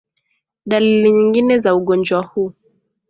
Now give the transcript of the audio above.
Dalili nyingine za ugonjwa huu